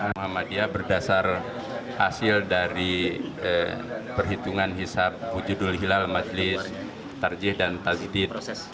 muhammadiyah berdasar hasil dari perhitungan hisap wujudul hilal majelis tarjih dan talidid